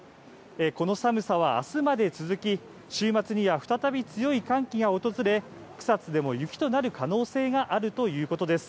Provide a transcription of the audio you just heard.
この寒さはあすまで続き、週末には再び強い寒気が訪れ、草津でも雪となる可能性があるということです。